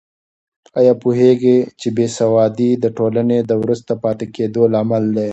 آیا پوهېږې چې بې سوادي د ټولنې د وروسته پاتې کېدو لامل ده؟